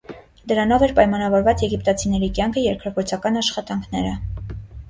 Դրանով էր պայմանավորված եգիպտացիների կյանքը, երկրագործական աշխատանքները։